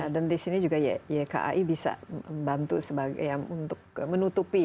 dan di sini juga yki bisa membantu untuk menutupi ya